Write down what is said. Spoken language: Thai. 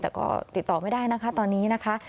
แต่ก็ติดต่อไม่ได้นะคะตอนนี้นะคะ